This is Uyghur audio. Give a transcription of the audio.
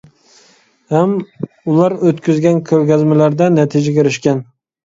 ھەم ئۇلار ئۆتكۈزگەن كۆرگەزمىلەردە نەتىجىگە ئېرىشكەن.